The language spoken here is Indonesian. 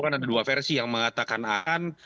kan ada dua versi yang mengatakan akan